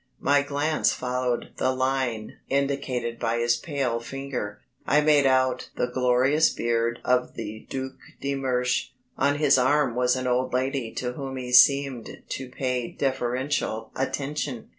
My glance followed the line indicated by his pale finger. I made out the glorious beard of the Duc de Mersch, on his arm was an old lady to whom he seemed to pay deferential attention.